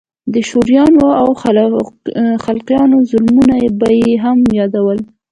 د شورويانو او خلقيانو ظلمونه به يې هم يادول.